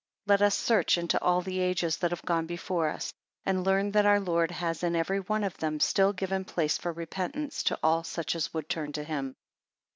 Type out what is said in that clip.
6 Let us search into all the ages that have gone before us; and learn that our Lord has in every one of them still given place for repentance to all such as would turn to him.